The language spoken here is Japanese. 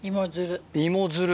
芋づる。